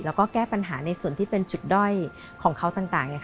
แล้วก็แก้ปัญหาในส่วนที่เป็นจุดด้อยของเขาต่าง